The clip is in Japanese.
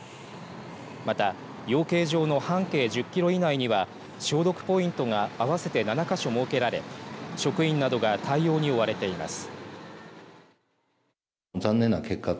また、養鶏場の半径１０キロ以内には消毒ポイントが合わせて７か所設けられ職員などが対応に追われています。